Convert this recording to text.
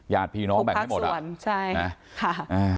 ญาติพี่น้องแบ่งให้หมดละใช่ค่ะผมพักส่วน